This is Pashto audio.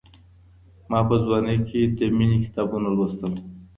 ما په ځوانۍ کي د مينې کتابونه لوستل.